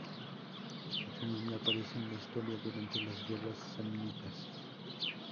Su nombre aparece en la historia durante las guerras samnitas.